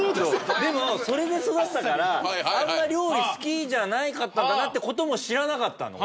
でもそれで育ったからあんま料理好きじゃなかったんだなってことも知らなかったの俺。